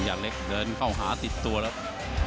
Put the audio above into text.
เล็กเดินเข้าหาติดตัวแล้ว